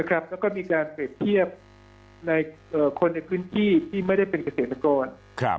แล้วก็มีการเปรียบเทียบคนในพื้นที่ที่ไม่ได้เป็นเกษตรกร